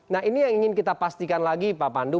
nah ini yang ingin kita pastikan lagi pak pandu